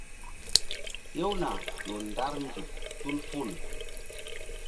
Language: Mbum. Hewna ƴo ndar nzuk tul ful.